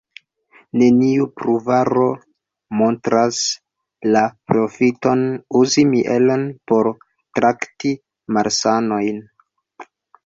Neniu pruvaro montras la profiton uzi mielon por trakti malsanojn.